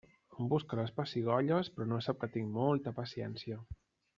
Em busca les pessigolles, però no sap que tinc molta paciència.